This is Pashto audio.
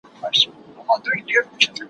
هم ملگری یې قاضي وو هم کوټوال وو